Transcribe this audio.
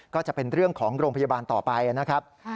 ก็จะเป็นเรื่องของโรงพยาบาลต่อไปนะครับ